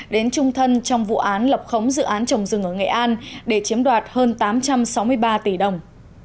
đến trung thân trong vụ án lập khống dự án trồng rừng ở nghệ an để chiếm đoạt hơn tám trăm sáu mươi ba tỷ đồng